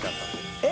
えっ？